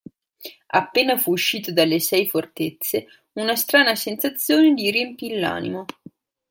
Appena fu uscito dalle Sei Fortezze, una strana sensazione gli riempì l'animo.